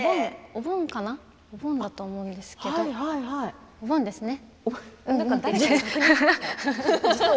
お盆だと思うんですけれどお盆ですね。